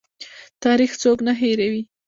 تاریخ څوک نه هیروي